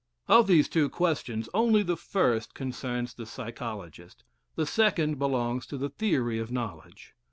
Of these two questions, only the first concerns the psychologist; the second belongs to theory of knowledge.